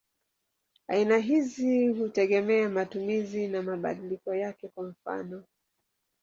Aina hizi hutegemea matumizi na mabadiliko yake; kwa mfano.